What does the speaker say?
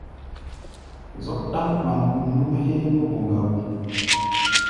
Zɔ́k ɗáŋ ɓambuŋ nú-mɛ́ héé nú gɔ̧ gá wó.